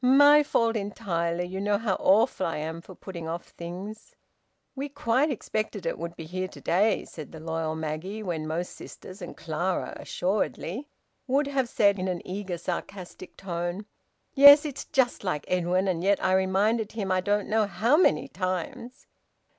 My fault entirely! You know how awful I am for putting off things." "We quite expected it would be here to day," said the loyal Maggie, when most sisters and Clara assuredly would have said in an eager, sarcastic tone: "Yes, it's just like Edwin, and yet I reminded him I don't know how many times!"